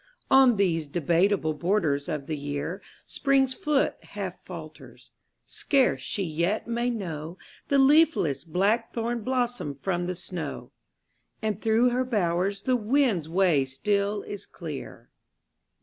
On these debateable* borders of the year Spring's foot half falters; scarce she yet may know The leafless blackthorn blossom from the snow; And through her bowers the wind's way still is clear.